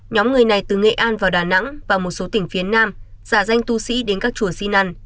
nhóm người này từ nghệ an vào đà nẵng và một số tỉnh phía nam giả danh tu sĩ đến các chùa xin năn